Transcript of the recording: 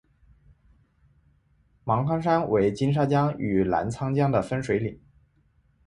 芒康山为金沙江与澜沧江的分水岭。